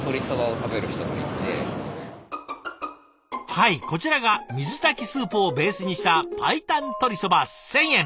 はいこちらが水炊きスープをベースにした白湯鶏そば１，０００円。